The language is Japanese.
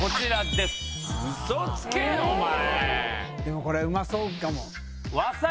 でもこれうまそうかも。